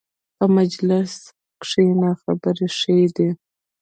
په مجلس کښېنه، خبرې ښې دي.